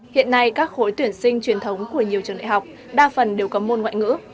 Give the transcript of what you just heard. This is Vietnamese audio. hiện nay các khối tuyển sinh truyền thống của nhiều trường đại học đa phần đều có môn ngoại ngữ